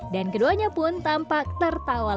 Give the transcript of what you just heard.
dan keduanya pun tampak tertawa lelah